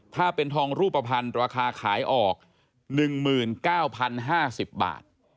ถ้าเป็นทองรูปภัณฑ์ราคาขายออก๑๙๐๕๐บาท